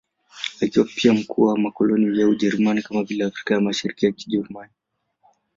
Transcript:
Akiwa pia mkuu wa makoloni ya Ujerumani, kama vile Afrika ya Mashariki ya Kijerumani.